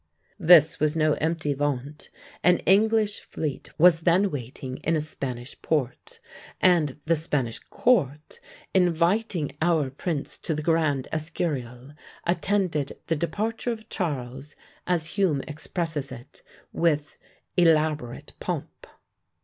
This was no empty vaunt. An English fleet was then waiting in a Spanish port, and the Spanish court, inviting our prince to the grand Escurial, attended the departure of Charles, as Hume expresses it, with "elaborate pomp."